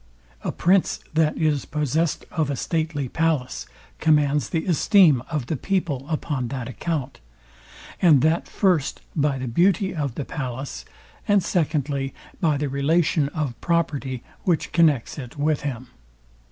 A prince, that is possessed of a stately palace, commands the esteem of the people upon that account; and that first, by the beauty of the palace, and secondly, by the relation of property, which connects it with him.